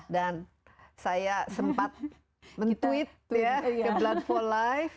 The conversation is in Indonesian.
dan saya sempat men tweet ya ke blood for life